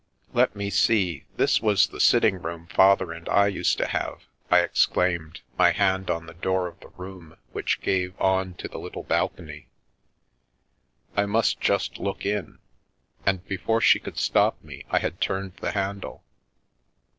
" Let me see, this was the sitting room Father and I used to have !" I exclaimed, my hand on the door of the room which gave on to the little balcony. " I must just look in." And, before she could stop me, I had turned the handle.